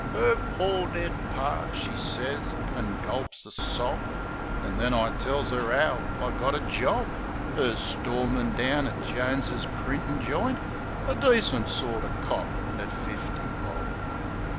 " 'Er pore dead Par," she sez, an' gulps a sob. An' then I tells 'er 'ow I got a job, As storeman down at Jones' printin' joint, A decent sorter cop at fifty bob.